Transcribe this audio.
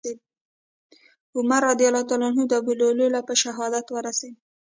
عمر رضي الله عنه د ابولؤلؤ له په شهادت ورسېد.